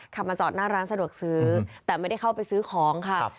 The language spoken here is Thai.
ขับมาจอดหน้าร้านสะดวกซื้อแต่ไม่ได้เข้าไปซื้อของค่ะ